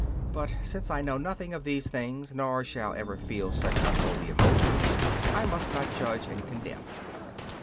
But since I know nothing of these things, nor shall ever feel such unholy emotions, I must not judge and condemn.